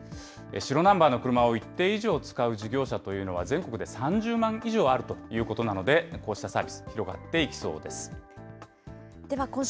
白ナンバーの車を一定以上使う事業者というのは全国で３０万以上あるということなので、こうしたサービス、広がっていきそうです。